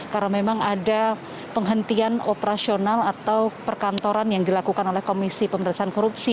karena memang ada penghentian operasional atau perkantoran yang dilakukan oleh komisi pemerintahan korupsi